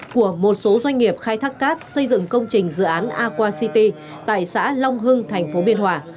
của một số doanh nghiệp khai thác cát xây dựng công trình dự án aqua city tại xã long hưng thành phố biên hòa